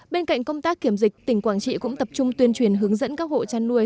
bên cạnh công tác kiểm dịch tỉnh quảng trị cũng tập trung tuyên truyền hướng dẫn các hộ chăn nuôi